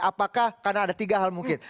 apakah karena ada tiga hal mungkin